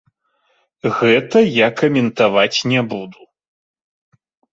Гэта я каментаваць не буду.